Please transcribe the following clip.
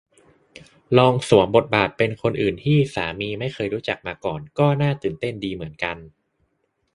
ลองสวมบทบาทเป็นคนอื่นที่สามีไม่เคยรู้จักมาก่อนก็น่าตื่นเต้นดีเหมือนกัน